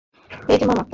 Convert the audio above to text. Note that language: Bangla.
এই যে মামা।